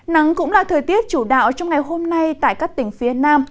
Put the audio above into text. nắng cũng là thời tiết chủ đạo trong ngày hôm nay tại các tỉnh phía nam